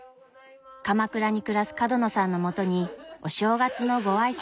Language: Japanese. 鎌倉に暮らす角野さんのもとにお正月のご挨拶。